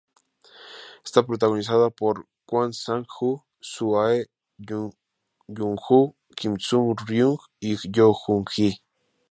Está protagonizada por Kwon Sang-woo, Soo Ae, Jung Yun-ho, Kim Sung-ryung y Go Joon-hee.